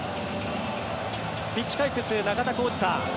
ピッチ解説、中田浩二さん